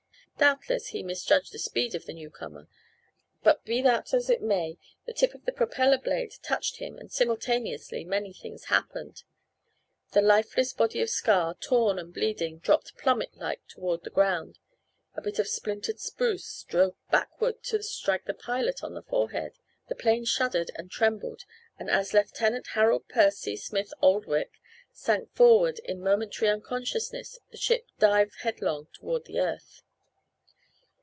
Doubtless he misjudged the speed of the newcomer, but be that as it may, the tip of the propeller blade touched him and simultaneously many things happened. The lifeless body of Ska, torn and bleeding, dropped plummet like toward the ground; a bit of splintered spruce drove backward to strike the pilot on the forehead; the plane shuddered and trembled and as Lieutenant Harold Percy Smith Oldwick sank forward in momentary unconsciousness the ship dived headlong toward the earth.